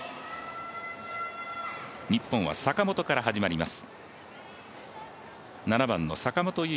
日本は坂本から始まります。